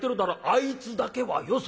『あいつだけはよせ』と。